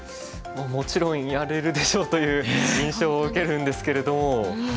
「もちろんやれるでしょう」という印象を受けるんですけれども。